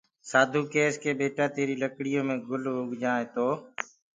سآڌوٚ ڪيس ٻيٽآ تيريٚ لڪڙيو مي گُل اوگجآئينٚ تو